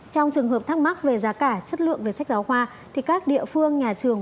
trong trường hợp thắc mắc về giá cả chất lượng về sách giáo khoa thì các địa phương nhà trường